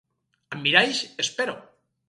Amb miralls, espero.